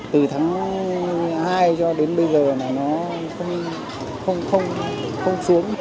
từ tháng hai cho đến bây giờ là nó không xuống